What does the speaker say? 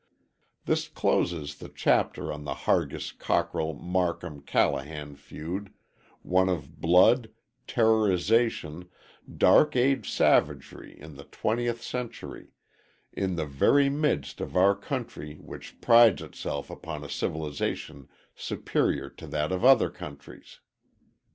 This closes the chapter on the Hargis Cockrell Marcum Callahan feud, one of blood, terrorization, Dark Age savagery in the twentieth century; in the very midst of our country which prides itself upon a civilization superior to that of other countries.